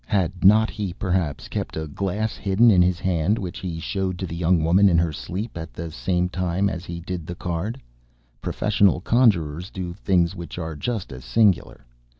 Had not he, perhaps, kept a glass hidden in his hand, which he showed to the young woman in her sleep, at the same time as he did the card? Professional conjurers do things which are just as singular.